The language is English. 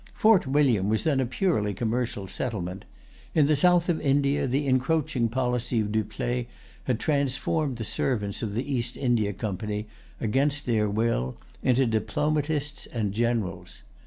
Fort William was then a purely commercial settlement. In the south of India the encroaching policy of Dupleix had transformed the servants of the English Company, against their will, into diplomatists and generals.